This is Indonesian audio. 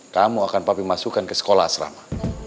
kamu akan papi masukkan ke sekolah asrama